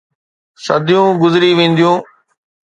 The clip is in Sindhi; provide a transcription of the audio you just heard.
صديون گذري وينديون.